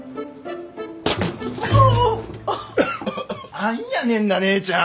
何やねんなねえちゃん！